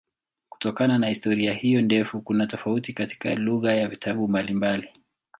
Kutokana na historia hiyo ndefu kuna tofauti katika lugha ya vitabu mbalimbali.